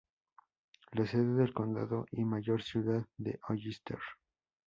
La sede del condado y mayor ciudad es Hollister.